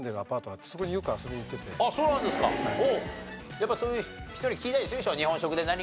やっぱりそういう人に聞いたりするでしょ？